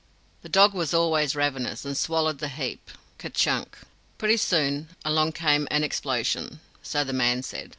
The dog was always ravenous, and swallered the heap kerchunk! "Pretty soon along come an explosion so the man said.